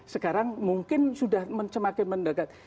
sekarang mungkin sudah semakin mendekat